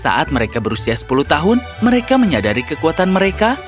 saat mereka berusia sepuluh tahun mereka menyadari kekuatan mereka